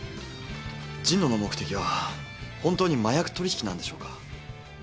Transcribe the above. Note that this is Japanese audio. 神野の目的は本当に麻薬取引なんでしょうか？